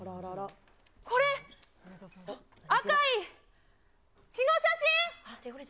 これ、赤い、血の写真？